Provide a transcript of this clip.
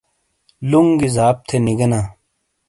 لنگ گی زاپ تھے نیگینا۔